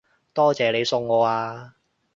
多謝你送我啊